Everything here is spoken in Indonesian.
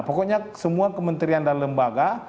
pokoknya semua kementerian dan lembaga